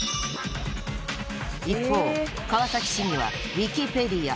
一方、川崎市議はウィキペディア。